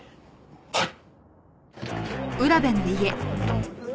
はい。